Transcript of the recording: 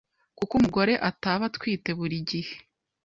kuko umugore ataba atwite buri gihe